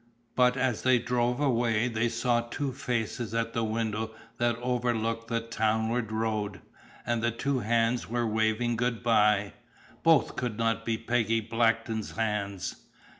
But as they drove away they saw two faces at the window that overlooked the townward road, and two hands were waving good bye. Both could not be Peggy Blackton's hands.